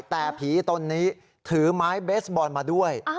แต่ผีตนนี้ถือไม้เบสบอลมาด้วย